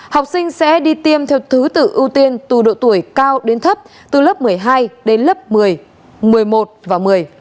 học sinh sẽ đi tiêm theo thứ tự ưu tiên từ độ tuổi cao đến thấp từ lớp một mươi hai đến lớp một mươi một mươi một và một mươi